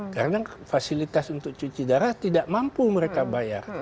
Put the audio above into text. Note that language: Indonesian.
karena fasilitas untuk cuci darah tidak mampu mereka bayar